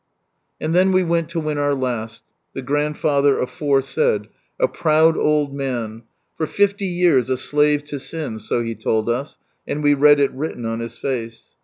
And then we went lo win our last, the grandfather aforesaid, a proud old n for fifty years a slave to sin, so he told us, and we read it written on his face.